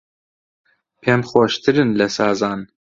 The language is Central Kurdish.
پێم خۆشترن لە سازان